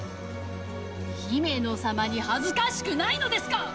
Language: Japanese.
ヒメノ様に恥ずかしくないのですか！？